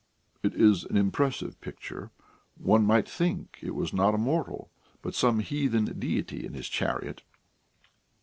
it is an impressive picture; one might think it was not a mortal, but some heathen deity in his chariot.